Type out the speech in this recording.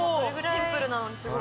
シンプルなのにすごい。